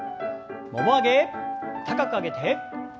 もも上げ高く上げて。